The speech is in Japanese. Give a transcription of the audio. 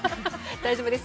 大丈夫ですよ